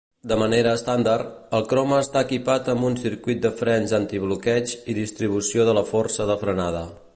De manera estàndard, el Croma està equipat amb un circuit de frens antibloqueig i distribució de la força de frenada.